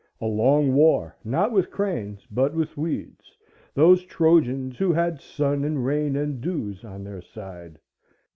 A long war, not with cranes, but with weeds, those Trojans who had sun and rain and dews on their side.